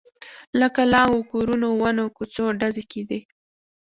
له کلاوو، کورونو، ونو، کوڅو… ډزې کېدې.